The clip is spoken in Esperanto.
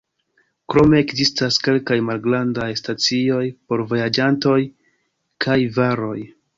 Krome ekzistas kelkaj malgrandaj stacioj por vojaĝantoj kaj varoj.